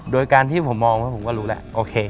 โดยการที่ผมมองว่าผมก็รู้แล้วโอเค